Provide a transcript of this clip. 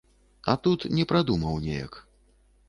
А тут не прадумаў неяк.